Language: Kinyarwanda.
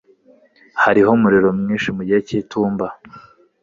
Hariho umuriro mwinshi mugihe cy'itumba.